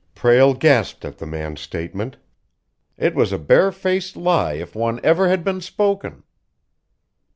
Prale gasped at the man's statement. It was a bare faced lie if one ever had been spoken.